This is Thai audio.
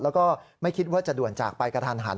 แล้วก็ไม่คิดว่าจะด่วนจากไปกระทันหัน